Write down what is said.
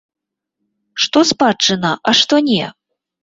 Што спадчына, а што не?